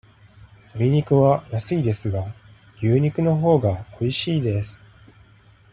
とり肉は安いですが、牛肉のほうがおいしいです。